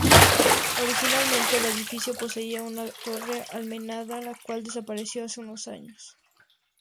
Originalmente el edificio poseía una torre almenada la cual desapareció hace unos años.